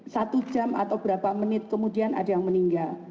satu jam atau berapa menit kemudian ada yang meninggal